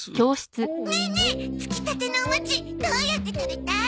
ねえねえつきたてのお餅どうやって食べたい？